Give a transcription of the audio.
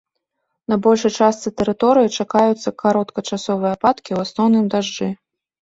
На большай частцы тэрыторыі чакаюцца кароткачасовыя ападкі, у асноўным дажджы.